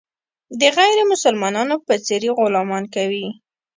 د غیر مسلمانانو په څېر یې غلامان کوي.